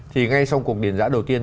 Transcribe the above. thì ngay sau cuộc điền giã đầu tiên